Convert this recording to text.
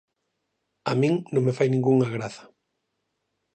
A min non me fai ningunha graza.